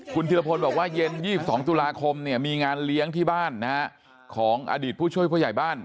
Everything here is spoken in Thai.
คุณธิรพลบอกว่าเย็น๒๒ตุลาคมมีงานเลี้ยงที่บ้านของอดีตผู้ช่วยผู้ใหญ่บ้าน